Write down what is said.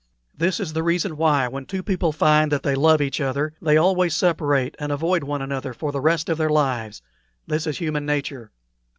This is the reason why, when two people find that they love each other, they always separate and avoid one another for the rest of their lives. This is human nature.